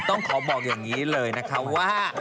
ต้องขอบอกอย่างนี้เลยนะคะว่า